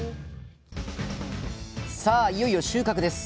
さあいよいよ収穫です。